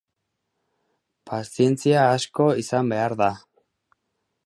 Pazientzia asko izan behar da.